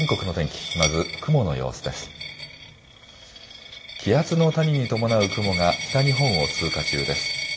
気圧の谷に伴う雲が北日本を通過中です。